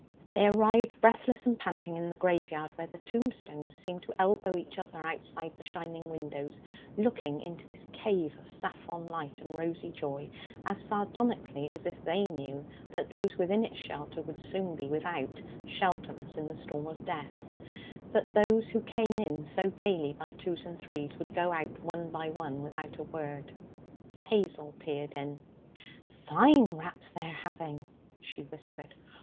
They arrived breathless and panting in the graveyard, where the tombstones seemed to elbow each other outside the shining windows, looking into this cave of saffron light and rosy joy as sardonically as if they knew that those within its shelter would soon be without, shelterless in the storm of death; that those who came in so gaily by twos and threes would go out one by one without a word. Hazel peered in. 'Fine raps they're having!' she whispered.